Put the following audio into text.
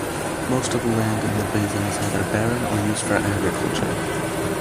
Most of the land in the basin is either barren or used for agriculture.